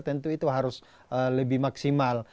tentu itu harus lebih maksimal